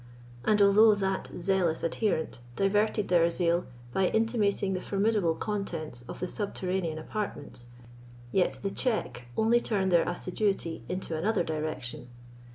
And although that zealous adherent diverted their zeal by intimating the formidable contents of the subterranean apartments, yet the check only turned their assiduity into another direction.